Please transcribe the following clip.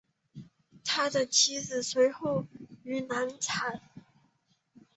他的妻子随后死于难产。